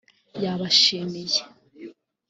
yabashimiye